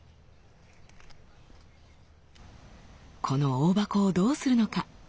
このオオバコをどうするのか。